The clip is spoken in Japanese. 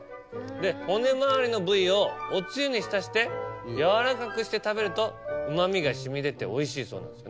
で骨まわりの部位をおつゆに浸して柔らかくして食べるとうまみが染み出ておいしいそうなんです。